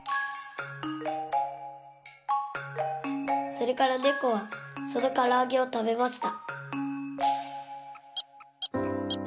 それからねこはそのからあげをたべました。